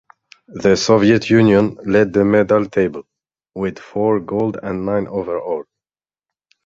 The Soviet Union led the medal table, with four gold and nine overall.